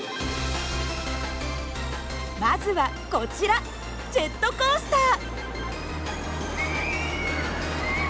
まずはこちらジェットコースター。